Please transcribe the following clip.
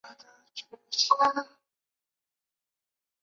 明朝为杭州府。